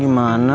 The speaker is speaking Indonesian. di rumah aja